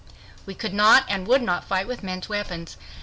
We could not and would not fight with men's weapons.